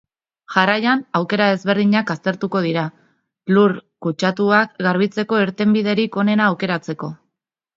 Jarraian, aukera ezberdinak aztertuko dira, lur kutsatuak garbitzeko irtenbiderik onena aukeratzeko.